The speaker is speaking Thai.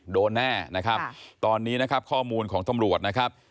แน่นะครับตอนนี้นะครับข้อมูลของตำรวจนะครับ